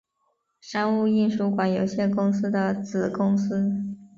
商务印书馆有限公司的子公司。